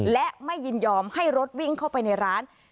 และไม่ยินยอมให้รถวิ่งเข้าไปในร้าน